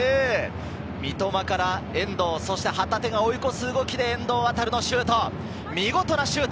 三笘から遠藤、そして旗手が追い越す動きで遠藤航のシュート。